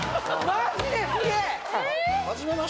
マジですげえ！